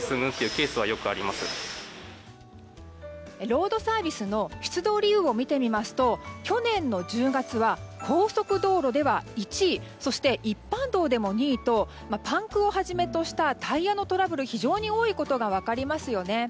ロードサービスの出動理由を見てみますと去年の１０月は高速道路では１位そして、一般道でも２位とパンクをはじめとしたタイヤのトラブルが非常に多いことが分かりますよね。